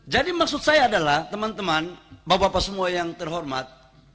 jadi maksud saya adalah teman teman bapak bapak semua yang terhormat